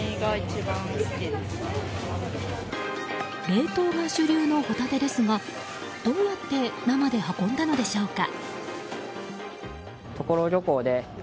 冷凍が主流のホタテですがどうやって生で運んだのでしょうか。